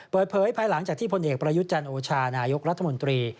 ภายหลังจากที่พลเอกประยุทธ์จันทร์โอชานายกรัฐมนตรี